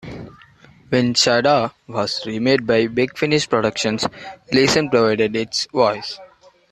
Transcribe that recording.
When "Shada" was remade by Big Finish Productions, Leeson provided its voice.